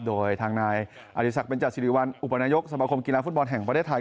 โดยทางนายอริสักเบนจาสิริวัลอุปนายกสมคมกีฬาฟุตบอลแห่งประเทศไทย